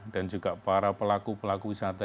dan juga para pelaku pelaku wisata